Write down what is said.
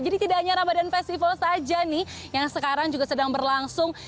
jadi tidak hanya ramadhan festival saja nih yang sekarang juga sedang berlangsung